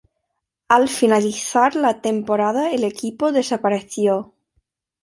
Al finalizar la temporada el equipo desapareció.